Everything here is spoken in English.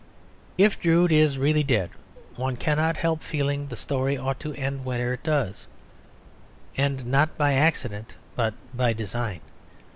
If Drood is really dead one cannot help feeling the story ought to end where it does end, not by accident but by design.